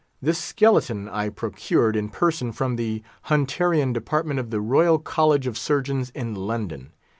This skeleton I procured in person from the Hunterian department of the Royal College of Surgeons in London.